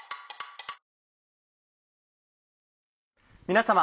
皆様。